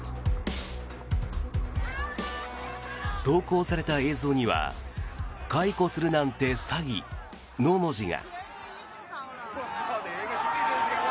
投稿された映像には「解雇するなんて詐欺」の文字が。